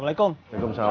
acing kos di rumah aku